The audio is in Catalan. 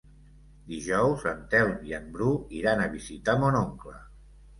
Dijous en Telm i en Bru iran a visitar mon oncle.